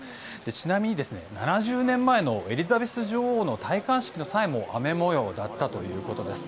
ちなみに７０年前のエリザベス女王の戴冠式の際も雨模様だったということです。